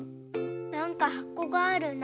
なんかはこがあるな。